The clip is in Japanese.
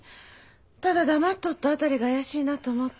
ただ黙っとった辺りが怪しいなと思って。